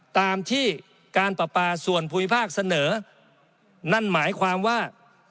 ตามที่การปราปาส่วนภูมิภาคเสนอนั่นหมายความว่า